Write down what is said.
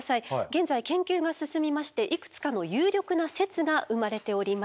現在研究が進みましていくつかの有力な説が生まれております。